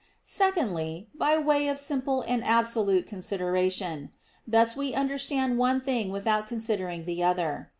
Secondly, by way of simple and absolute consideration; thus we understand one thing without considering the other.